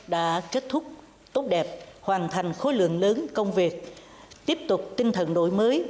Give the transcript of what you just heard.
đã kết thúc tốt đẹp hoàn thành khối lượng lớn công việc tiếp tục tinh thần đổi mới